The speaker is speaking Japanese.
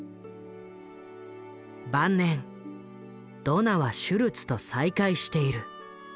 晩年ドナはシュルツと再会している。